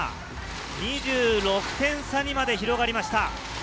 ２６点差にまで広がりました。